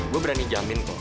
gua berani jamin kok